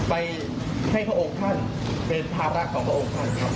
ไปให้พระองค์ท่านเป็นภาระของพระองค์ท่านครับ